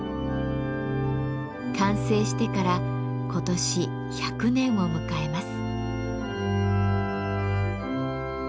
完成してから今年１００年を迎えます。